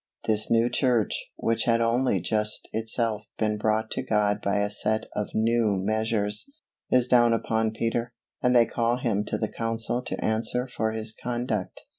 This new church, which had only just itself been brought to God by a set of new measures, is down upon Peter, and they call him to the council to answer for his conduct.